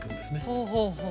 ほうほうほう。